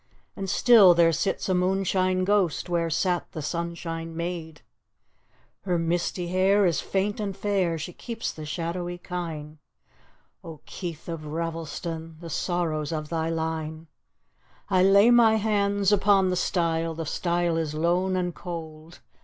And still there sits a moonshine ghost Where sat the sun^ne maid. D,gt,, erihyGOOgle The Fetch Her misty hair is faint and fair, She keeps the shadowy kine; Oh, Keith of Ravelston, The sorrows of thy linel I lay my hands upon the stile, The stile is lone and cold.